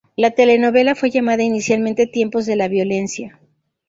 La telenovela fue llamada inicialmente "Tiempos de la violencia".